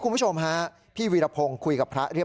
พระขู่คนที่เข้าไปคุยกับพระรูปนี้